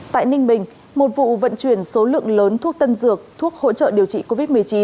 tại ninh bình một vụ vận chuyển số lượng lớn thuốc tân dược thuốc hỗ trợ điều trị covid một mươi chín